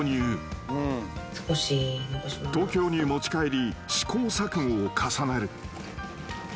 ［東京に持ち帰り試行錯誤を重ねる］